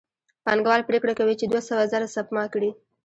پانګوال پرېکړه کوي چې دوه سوه زره سپما کړي